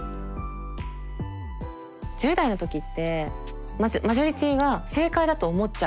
１０代の時ってまずマジョリティーが正解だと思っちゃう。